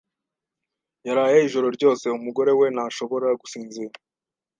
Yaraye ijoro ryose, umugore we ntashobora gusinzira.